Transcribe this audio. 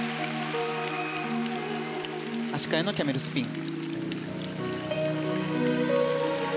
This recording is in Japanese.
足換えのキャメルスピン。